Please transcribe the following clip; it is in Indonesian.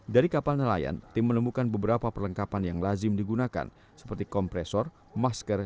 dari kapal nelayan tim menemukan beberapa perlengkapan yang lazim digunakan seperti kompresor masker